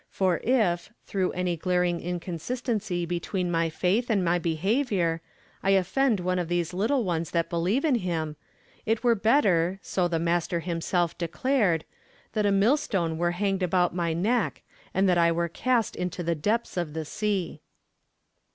For if, through any glaring inconsistency between my faith and my behavior, I offend one of these little ones that believe in Him, it were better, so the Master Himself declared, that a millstone were hanged about my neck and that I were cast into the depths of the sea.